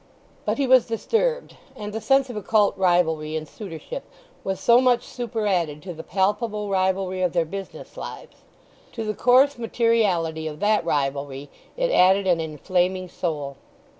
But he was disturbed. And the sense of occult rivalry in suitorship was so much superadded to the palpable rivalry of their business lives. To the coarse materiality of that rivalry it added an inflaming soul.